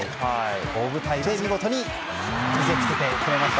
大舞台で見せつけてくれました。